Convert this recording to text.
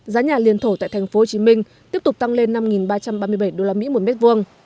giá nhà liền thổ tại tp hcm tiếp tục tăng lên năm ba trăm ba mươi bảy usd một mét vuông